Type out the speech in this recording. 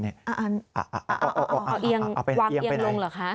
เอาเอียงวางเอียงลงเหรอคะ